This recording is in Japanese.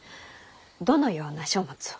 どのような書物を？